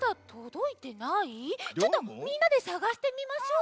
ちょっとみんなでさがしてみましょう。